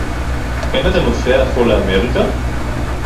אין אתה נוסע אפוא לאמריקה?